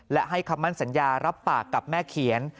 และให้คำมั่นสัญญารับปากกับแม่เขียน